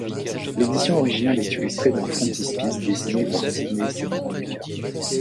L'édition originale est illustrée d'un frontispice dessiné par Sidney Seymour Lucas.